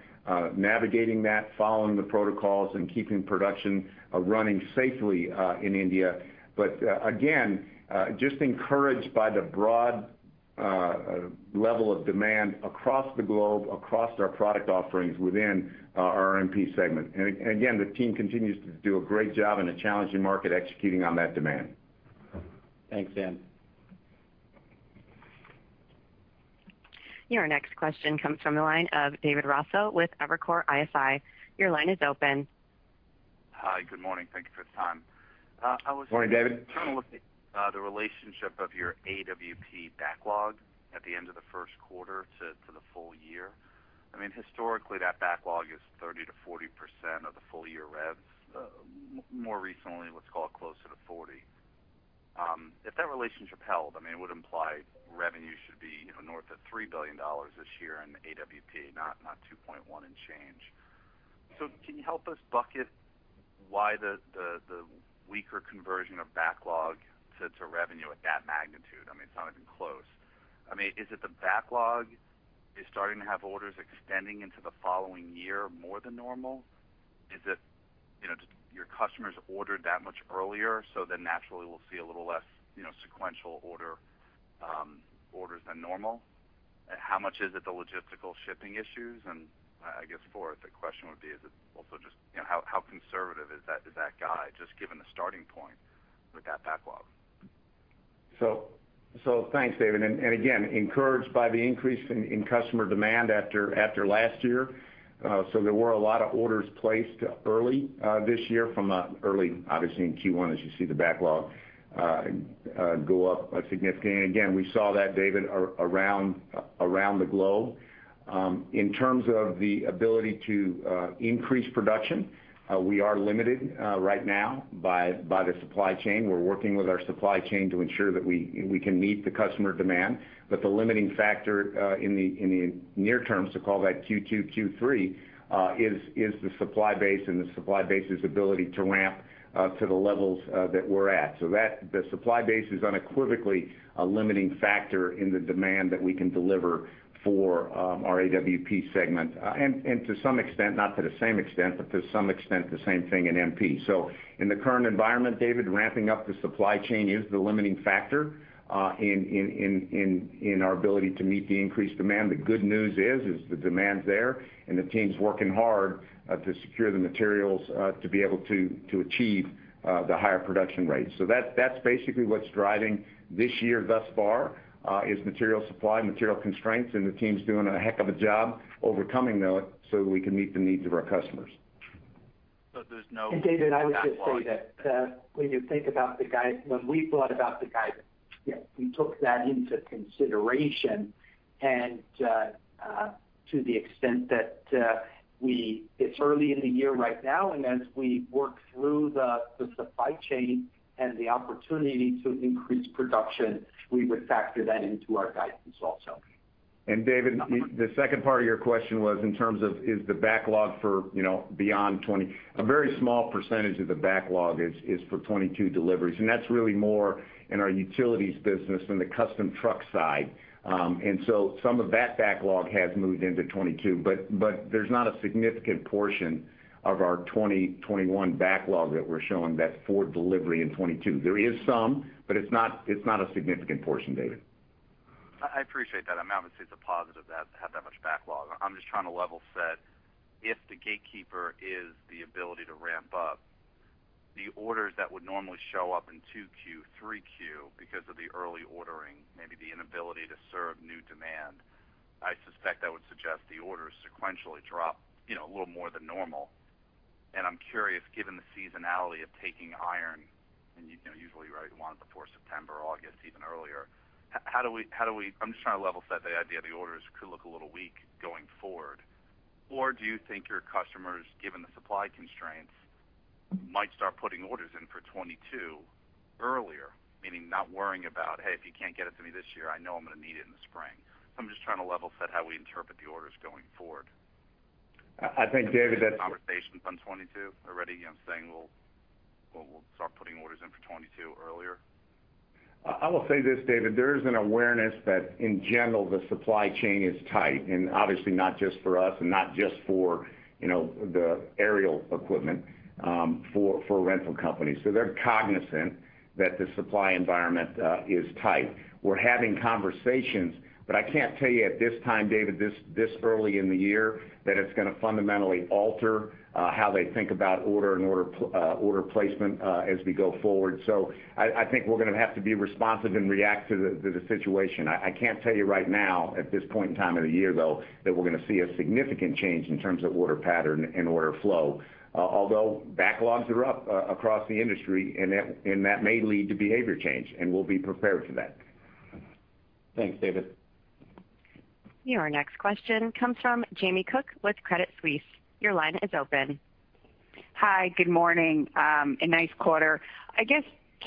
navigating that, following the protocols, and keeping production running safely in India. Again, just encouraged by the broad level of demand across the globe, across our product offerings within our MP segment. Again, the team continues to do a great job in a challenging market executing on that demand. Thanks, Ann. Your next question comes from the line of David Raso with Evercore ISI. Your line is open. Hi. Good morning. Thank you for the time. Morning, David. I was trying to look at the relationship of your AWP backlog at the end of the first quarter to the full year. Historically, that backlog is 30%-40% of the full year revs. More recently, let's call it closer to 40. If that relationship held, it would imply revenue should be north of $3 billion this year in AWP, not 2.1 and change. Can you help us bucket why the weaker conversion of backlog sits a revenue at that magnitude? It's not even close. Is it the backlog is starting to have orders extending into the following year more than normal? Is it your customers ordered that much earlier, so then naturally we'll see a little less sequential orders than normal? How much is it the logistical shipping issues? I guess fourth, the question would be, is it also just how conservative is that guide, just given the starting point with that backlog? Thanks, David. Again, encouraged by the increase in customer demand after last year. There were a lot of orders placed early this year from early, obviously, in Q1 as you see the backlog go up significantly. Again, we saw that, David, around the globe. In terms of the ability to increase production, we are limited right now by the supply chain. We're working with our supply chain to ensure that we can meet the customer demand. The limiting factor in the near term, so call that Q2, Q3, is the supply base and the supply base's ability to ramp up to the levels that we're at. The supply base is unequivocally a limiting factor in the demand that we can deliver for our AWP segment. To some extent, not to the same extent, but to some extent, the same thing in MP. In the current environment, David, ramping up the supply chain is the limiting factor in our ability to meet the increased demand. The good news is, the demand's there, and the team's working hard to secure the materials to be able to achieve the higher production rates. That's basically what's driving this year thus far, is material supply, material constraints, and the team's doing a heck of a job overcoming those so that we can meet the needs of our customers. There's no backlog. David, I would just say that when you think about the guidance, we took that into consideration, and to the extent that it's early in the year right now, and as we work through the supply chain and the opportunity to increase production, we would factor that into our guidance also. David, the second part of your question was in terms of is the backlog for beyond 2020. A very small percentage of the backlog is for 2022 deliveries. That's really more in our Terex Utilities business than the custom truck side. Some of that backlog has moved into 2022, there's not a significant portion of our 2021 backlog that we're showing that's for delivery in 2022. There is some, it's not a significant portion, David. I appreciate that. Obviously, it's a positive to have that much backlog. I'm just trying to level set if the gatekeeper is the ability to ramp up the orders that would normally show up in 2Q, 3Q because of the early ordering, maybe the inability to serve new demand. I suspect that would suggest the orders sequentially drop a little more than normal. I'm curious, given the seasonality of taking iron, and you usually want it before September or August, even earlier, I'm just trying to level set the idea the orders could look a little weak going forward. Do you think your customers, given the supply constraints, might start putting orders in for 2022 earlier, meaning not worrying about, "Hey, if you can't get it to me this year, I know I'm going to need it in the spring." I'm just trying to level set how we interpret the orders going forward. Are you having conversations on 2022 already? Saying, "Well, we'll start putting orders in for 2022 earlier. I will say this, David, there is an awareness that in general, the supply chain is tight and obviously not just for us and not just for the aerial equipment, for rental companies. They're cognizant that the supply environment is tight. We're having conversations, but I can't tell you at this time, David, this early in the year that it's going to fundamentally alter how they think about order and order placement as we go forward. I think we're going to have to be responsive and react to the situation. I can't tell you right now at this point in time of the year, though, that we're going to see a significant change in terms of order pattern and order flow. Backlogs are up across the industry and that may lead to behavior change, and we'll be prepared for that. Thanks, David. Your next question comes from Jamie Cook with Credit Suisse. Your line is open. Hi, good morning. A nice quarter. I guess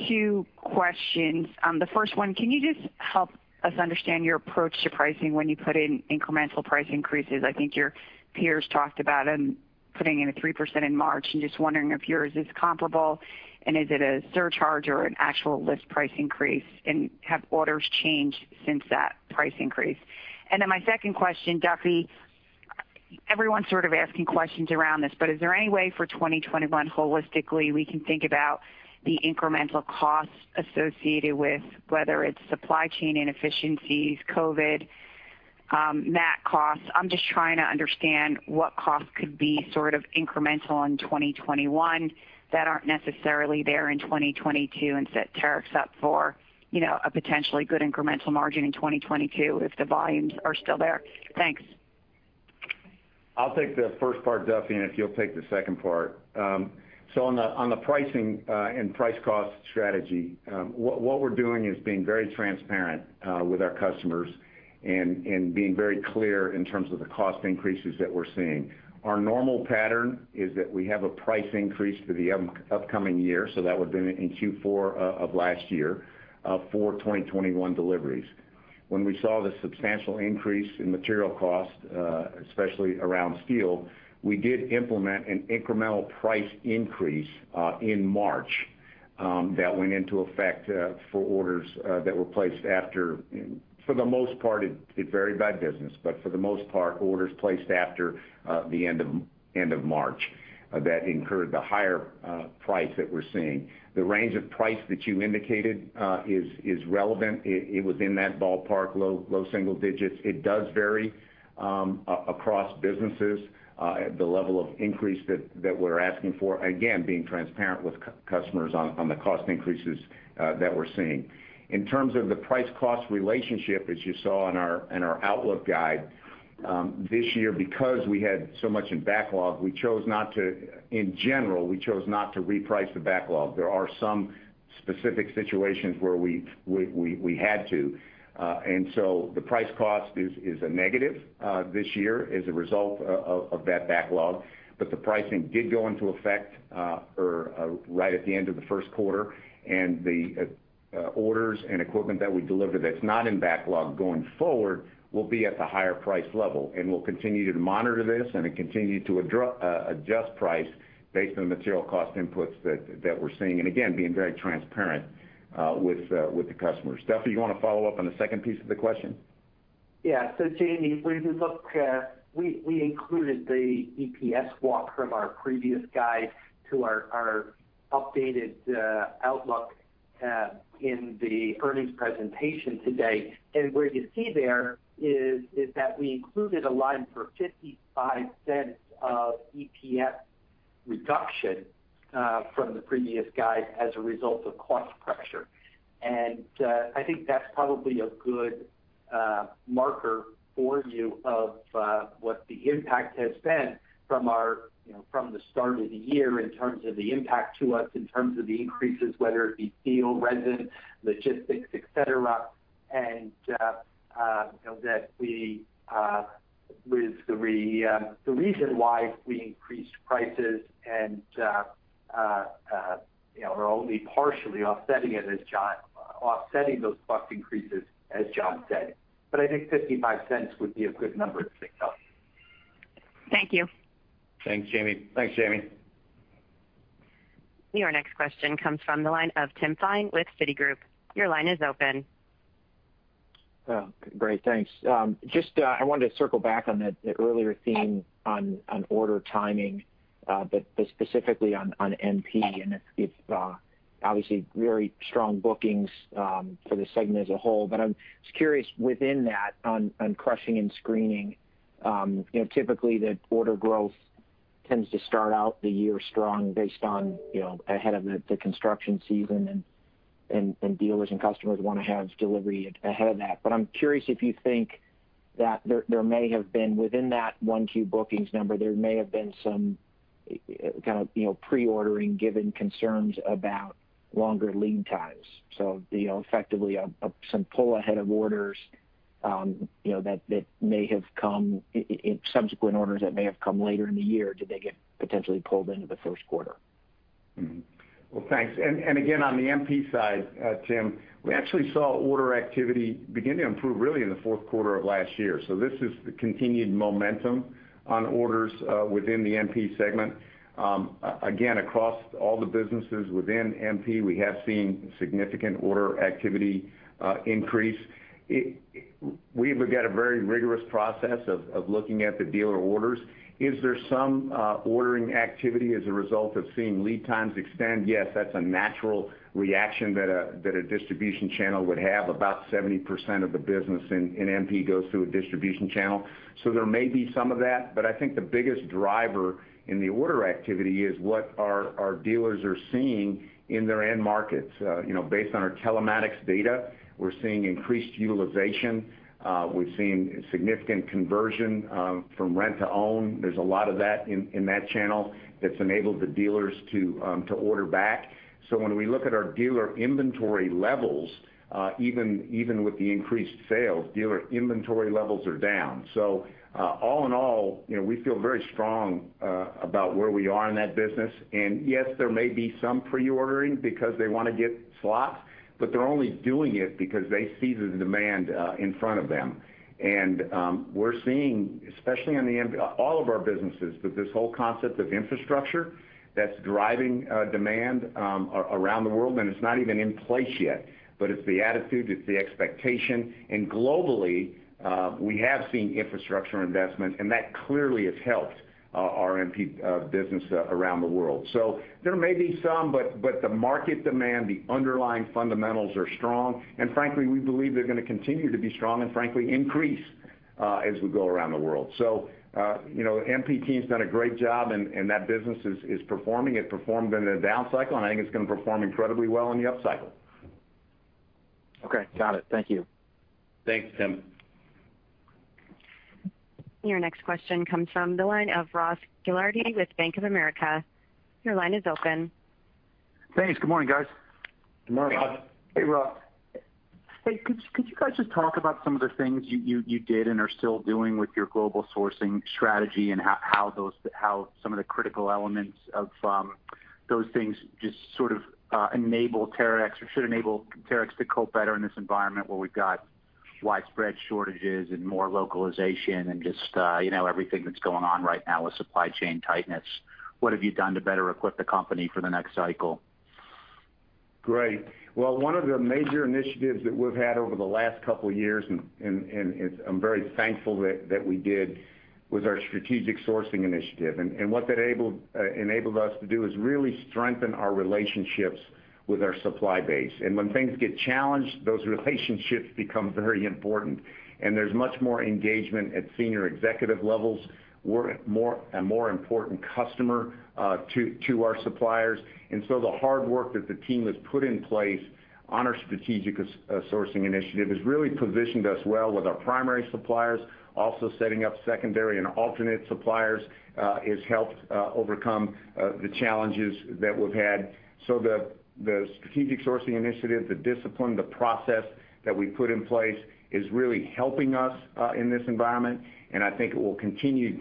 two questions. The first one, can you just help us understand your approach to pricing when you put in incremental price increases? I think your peers talked about putting in a 3% in March. Just wondering if yours is comparable. Is it a surcharge or an actual list price increase? Have orders changed since that price increase? My second question, Duffy, everyone's sort of asking questions around this. Is there any way for 2021 holistically, we can think about the incremental costs associated with whether it's supply chain inefficiencies, COVID, material costs. I'm just trying to understand what costs could be sort of incremental in 2021 that aren't necessarily there in 2022? Set Terex up for a potentially good incremental margin in 2022 if the volumes are still there? Thanks. I'll take the first part, Duffy. If you'll take the second part. On the pricing and price cost strategy, what we're doing is being very transparent with our customers and being very clear in terms of the cost increases that we're seeing. Our normal pattern is that we have a price increase for the upcoming year, that would've been in Q4 of last year for 2021 deliveries. When we saw the substantial increase in material cost, especially around steel, we did implement an incremental price increase in March that went into effect for orders that were placed after, for the most part, it varied by business, for the most part, orders placed after the end of March that incurred the higher price that we're seeing. The range of price that you indicated is relevant. It was in that ballpark, low single digits. It does vary across businesses, the level of increase that we're asking for, again, being transparent with customers on the cost increases that we're seeing. In terms of the price cost relationship, as you saw in our outlook guide this year, because we had so much in backlog, we chose not to, in general, reprice the backlog. There are some specific situations where we had to. The price cost is a negative this year as a result of that backlog. The pricing did go into effect right at the end of the first quarter, and the orders and equipment that we delivered that's not in backlog going forward will be at the higher price level. We'll continue to monitor this and continue to adjust price based on the material cost inputs that we're seeing. Again, being very transparent with the customers. Duffy, you want to follow up on the second piece of the question? Yeah. Jamie, we included the EPS walk from our previous guide to our updated outlook in the earnings presentation today. What you see there is that we included a line for $0.55 of EPS reduction from the previous guide as a result of cost pressure. I think that's probably a good marker for you of what the impact has been from the start of the year in terms of the impact to us, in terms of the increases, whether it be steel, resin, logistics, et cetera. The reason why we increased prices and we're only partially offsetting those cost increases, as John said. I think $0.55 would be a good number to think of. Thank you. Thanks, Jamie. Thanks, Jamie. Your next question comes from the line of Tim Thein with Citigroup. Your line is open. Great. Thanks. I wanted to circle back on that earlier theme on order timing but specifically on MP and if obviously very strong bookings for the segment as a whole. I'm just curious within that on crushing and screening. Typically, the order growth tends to start out the year strong based on ahead of the construction season and dealers and customers want to have delivery ahead of that. I'm curious if you think that there may have been within that Q1 bookings number, there may have been some kind of pre-ordering given concerns about longer lead times. Effectively some pull ahead of orders that may have come in subsequent orders that may have come later in the year. Did they get potentially pulled into the first quarter? Well, thanks. On the MP side, Tim, we actually saw order activity begin to improve really in the fourth quarter of last year. This is the continued momentum on orders within the MP segment. Again, across all the businesses within MP, we have seen significant order activity increase. We've got a very rigorous process of looking at the dealer orders. Is there some ordering activity as a result of seeing lead times extend? Yes, that's a natural reaction that a distribution channel would have. About 70% of the business in MP goes through a distribution channel. There may be some of that, but I think the biggest driver in the order activity is what our dealers are seeing in their end markets. Based on our telematics data, we're seeing increased utilization. We've seen significant conversion from rent to own. There's a lot of that in that channel that's enabled the dealers to order back. When we look at our dealer inventory levels even with the increased sales, dealer inventory levels are down. All in all, we feel very strong about where we are in that business. Yes, there may be some pre-ordering because they want to get slots, but they're only doing it because they see the demand in front of them. We're seeing, especially in all of our businesses, but this whole concept of infrastructure that's driving demand around the world, and it's not even in place yet, but it's the attitude, it's the expectation. Globally we have seen infrastructure investment, and that clearly has helped our MP business around the world. There may be some, but the market demand, the underlying fundamentals are strong. Frankly, we believe they're going to continue to be strong and frankly increase as we go around the world. MP team's done a great job and that business is performing. It performed in a down cycle, and I think it's going to perform incredibly well in the upcycle. Okay. Got it. Thank you. Thanks, Tim. Your next question comes from the line of Ross Gilardi with Bank of America. Your line is open. Thanks. Good morning, guys. Good morning. Hey, Ross. Hey, could you guys just talk about some of the things you did and are still doing with your global sourcing strategy and how some of the critical elements of those things just sort of enable Terex or should enable Terex to cope better in this environment where we've got widespread shortages and more localization and just everything that's going on right now with supply chain tightness? What have you done to better equip the company for the next cycle? Great. Well, one of the major initiatives that we've had over the last couple of years, and I'm very thankful that we did, was our Strategic Sourcing Initiative. What that enabled us to do is really strengthen our relationships with our supply base. When things get challenged, those relationships become very important, and there's much more engagement at senior executive levels. We're a more important customer to our suppliers. The hard work that the team has put in place on our Strategic Sourcing Initiative has really positioned us well with our primary suppliers. Also, setting up secondary and alternate suppliers has helped overcome the challenges that we've had. The Strategic Sourcing Initiative, the discipline, the process that we put in place is really helping us in this environment, and I think it will continue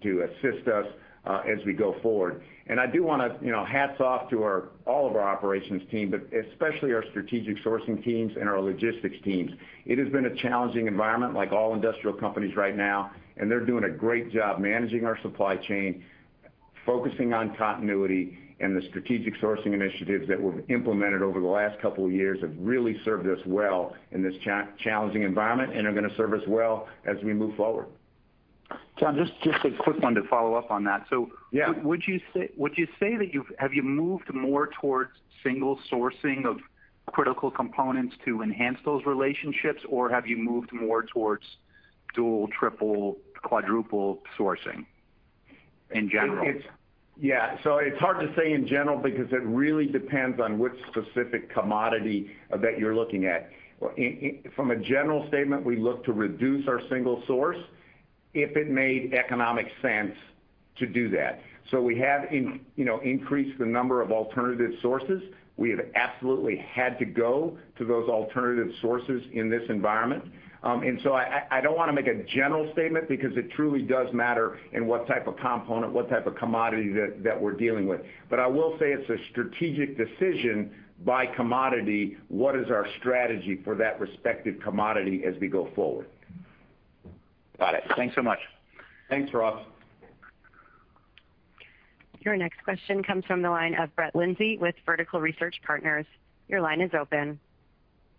to assist us as we go forward. Hats off to all of our operations team, but especially our Strategic Sourcing teams and our logistics teams. It has been a challenging environment, like all industrial companies right now. They're doing a great job managing our supply chain, focusing on continuity. The Strategic Sourcing Initiatives that we've implemented over the last couple of years have really served us well in this challenging environment and are going to serve us well as we move forward. John, just a quick one to follow up on that. Would you say that have you moved more towards single sourcing of critical components to enhance those relationships, or have you moved more towards dual, triple, quadruple sourcing in general? It's hard to say in general because it really depends on which specific commodity that you're looking at. From a general statement, we look to reduce our single source if it made economic sense to do that. We have increased the number of alternative sources. We have absolutely had to go to those alternative sources in this environment. I don't want to make a general statement because it truly does matter in what type of component, what type of commodity that we're dealing with. I will say it's a strategic decision by commodity, what is our strategy for that respective commodity as we go forward. Got it. Thanks so much. Thanks, Ross. Your next question comes from the line of Brett Linzey with Vertical Research Partners. Your line is open.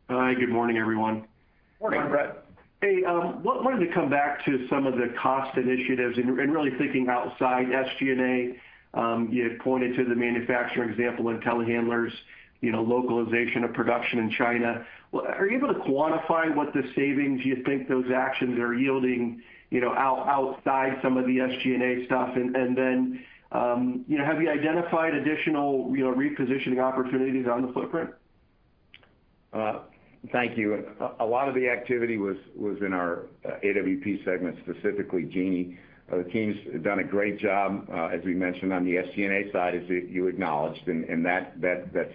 Hi. Good morning, everyone. Morning, Brett. Hey, wanted to come back to some of the cost initiatives and really thinking outside SG&A. You had pointed to the manufacturing example in telehandlers, localization of production in China. Are you able to quantify what the savings you think those actions are yielding outside some of the SG&A stuff? Have you identified additional repositioning opportunities on the footprint? Thank you. A lot of the activity was in our AWP segment, specifically Genie. The team's done a great job, as we mentioned on the SG&A side, as you acknowledged, and that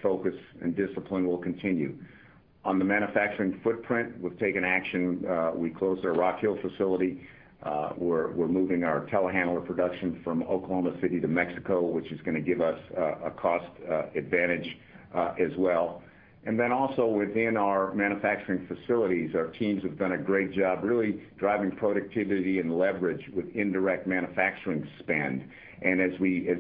focus and discipline will continue. On the manufacturing footprint, we've taken action. We closed our Rock Hill facility. We're moving our telehandler production from Oklahoma City to Mexico, which is going to give us a cost advantage as well. Also within our manufacturing facilities, our teams have done a great job really driving productivity and leverage with indirect manufacturing spend. As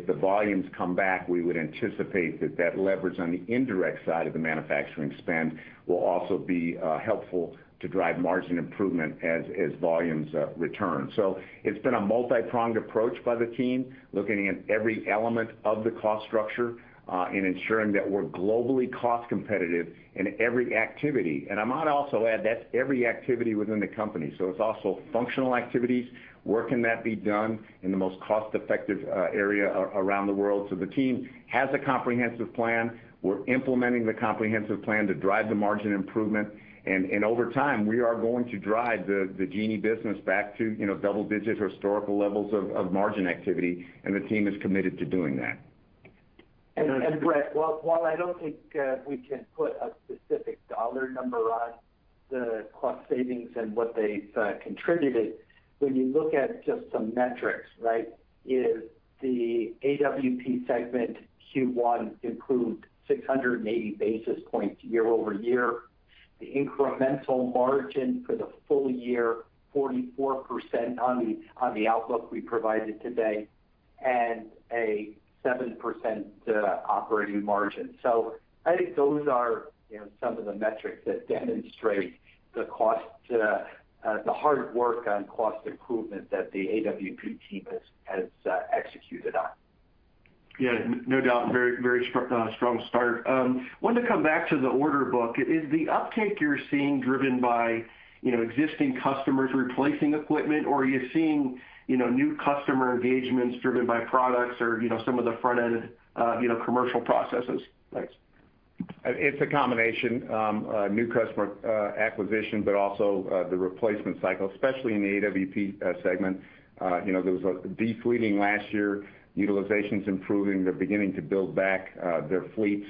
the volumes come back, we would anticipate that that leverage on the indirect side of the manufacturing spend will also be helpful to drive margin improvement as volumes return. It's been a multi-pronged approach by the team, looking at every element of the cost structure, and ensuring that we're globally cost competitive in every activity. I might also add, that's every activity within the company. It's also functional activities. Where can that be done in the most cost-effective area around the world? The team has a comprehensive plan. We're implementing the comprehensive plan to drive the margin improvement. Over time, we are going to drive the Genie business back to double-digit historical levels of margin activity, and the team is committed to doing that. Brett, while I don't think we can put a specific dollar number on the cost savings and what they've contributed, when you look at just some metrics, right? Is the AWP segment Q1 improved 680 basis points year-over-year. The incremental margin for the full year, 44% on the outlook we provided today, and a 7% operating margin. I think those are some of the metrics that demonstrate the hard work on cost improvement that the AWP team has executed on. No doubt. Very strong start. Wanted to come back to the order book. Is the uptake you're seeing driven by existing customers replacing equipment, or are you seeing new customer engagements driven by products or some of the front-end commercial processes? Thanks. It's a combination. New customer acquisition, also the replacement cycle, especially in the AWP segment. There was a defleeting last year. Utilization's improving. They're beginning to build back their fleets.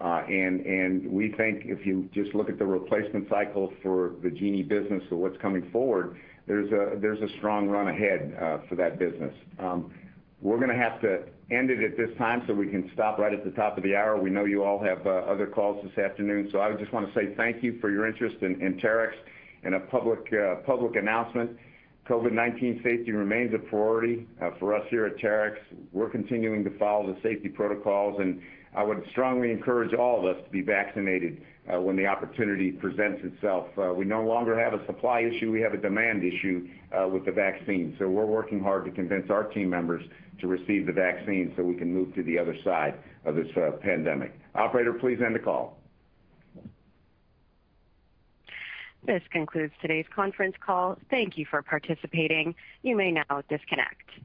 We think if you just look at the replacement cycle for the Genie business or what's coming forward, there's a strong run ahead for that business. We're going to have to end it at this time we can stop right at the top of the hour. We know you all have other calls this afternoon, I just want to say thank you for your interest in Terex. In a public announcement, COVID-19 safety remains a priority for us here at Terex. We're continuing to follow the safety protocols, I would strongly encourage all of us to be vaccinated when the opportunity presents itself. We no longer have a supply issue. We have a demand issue with the vaccine. We're working hard to convince our team members to receive the vaccine so we can move to the other side of this pandemic. Operator, please end the call. This concludes today's conference call. Thank you for participating. You may now disconnect.